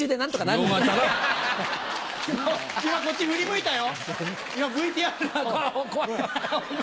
今、こっち振り向いたよ。